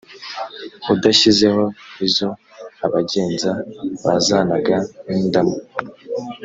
udashyizeho izo abagenza bazanaga n’indamu